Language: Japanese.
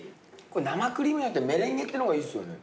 これ生クリームじゃなくてメレンゲってのがいいっすよね。